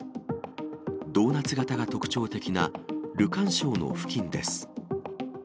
ドーナツ型が特徴的なルカン礁の付近です。